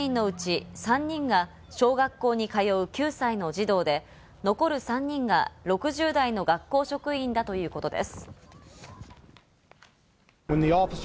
亡くなった６人のうち３人が小学校に通う９歳の児童で、残る３人が６０代の学校職員だということです。